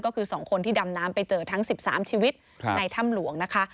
ก็คือ๒คนที่ดำน้ำไปเจอทั้ง๑๓ชีวิตในถ้ำหลวงนะคะ